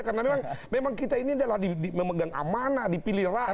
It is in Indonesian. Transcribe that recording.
karena memang kita ini adalah memegang amanah dipilih rakyat